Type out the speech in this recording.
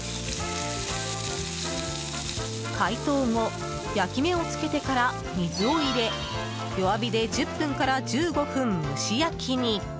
解凍後、焼き目を付けてから水を入れ弱火で１０分から１５分蒸し焼きに。